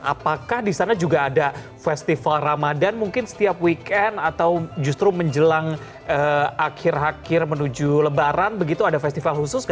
apakah di sana juga ada festival ramadan mungkin setiap weekend atau justru menjelang akhir akhir menuju lebaran begitu ada festival khusus